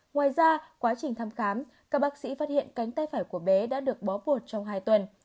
ngoài ra quá trình thăm khám các bác sĩ phát hiện cánh tay phải của bé đã được bó bột trong hai tuần